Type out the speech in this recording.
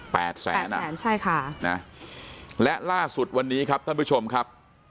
แสนอ่ะแสนใช่ค่ะนะและล่าสุดวันนี้ครับท่านผู้ชมครับ